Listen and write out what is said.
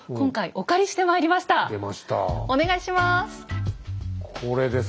お願いします。